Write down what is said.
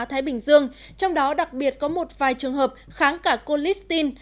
thái bình dương trong đó đặc biệt có một vài trường hợp kháng cả colistin